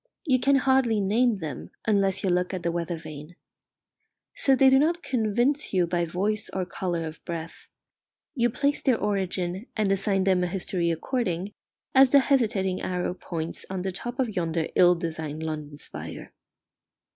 You can hardly name them unless you look at the weather vane. So they do not convince you by voice or colour of breath; you place their origin and assign them a history according as the hesitating arrow points on the top of yonder ill designed London spire.